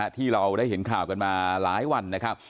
ที่เราได้เห็นข่าวกันมาหลายวันนะครับ